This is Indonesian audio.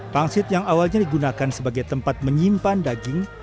pangsit yang awalnya digunakan sebagai tempat menyimpan daging